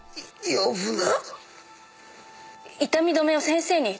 呼ぶな！